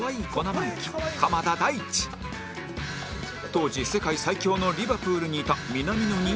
当時世界最強のリバプールにいた南野に